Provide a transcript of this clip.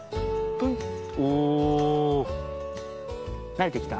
なれてきた？